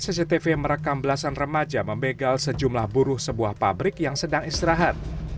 cctv merekam belasan remaja membegal sejumlah buruh sebuah pabrik yang sedang istirahat